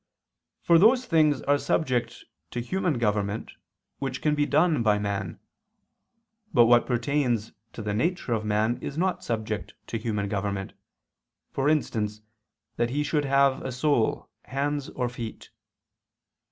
For those things are subject to human government, which can be done by man; but what pertains to the nature of man is not subject to human government; for instance, that he should have a soul, hands, or feet.